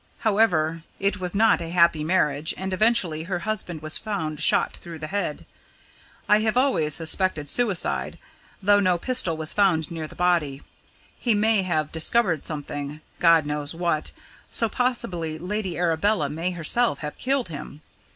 However, it was not a happy marriage, and eventually her husband was found shot through the head. I have always suspected suicide, though no pistol was found near the body. He may have discovered something God knows what! so possibly Lady Arabella may herself have killed him.